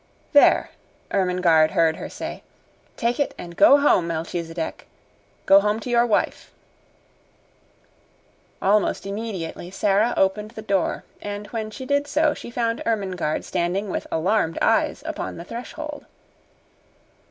"There!" Ermengarde heard her say. "Take it and go home, Melchisedec! Go home to your wife!" Almost immediately Sara opened the door, and when she did so she found Ermengarde standing with alarmed eyes upon the threshold.